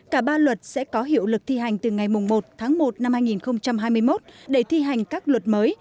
cả ba luật sẽ có hiệu lực thi hành từ ngày một tháng một năm hai nghìn hai mươi một để thi hành các luật mới